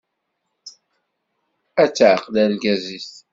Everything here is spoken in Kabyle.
Ad taɛqel argaz-is.